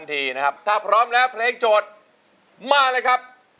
กินข้าวหรือยังค่ะ